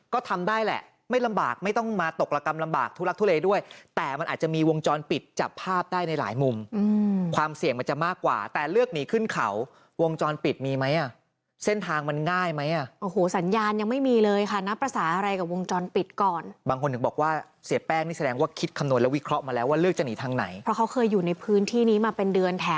ก็ทำได้แหละไม่ต้องมาตกละกำลำบากทุลักษณ์ทุเรด้วย